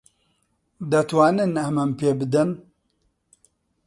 دەتوانن ئەمەم پێ بدەن؟